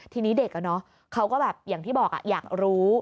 ทีนี้เด็กเขาก็แบบอย่างที่บอกอยากรู้